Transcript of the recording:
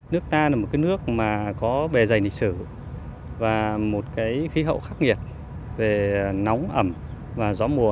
nước ta là một nước có bề dày lịch sử và một khí hậu khắc nghiệt về nóng ẩm và gió mùa